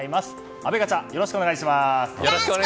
阿部ガチャよろしくお願いします！